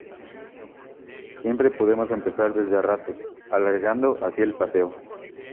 Siempre podemos empezar desde Arrate, alargando así el paseo.